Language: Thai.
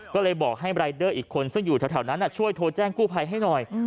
ก็เลยบอกให้รายเดอร์อีกคนซึ่งอยู่แถวนั้นช่วยโทรแจ้งกู้ภัยให้หน่อย